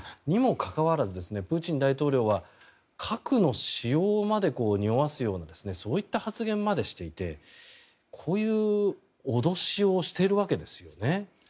にもかかわらずプーチン大統領は核の使用までにおわすようなそういった発言までしていてこういう脅しをしているわけですよね。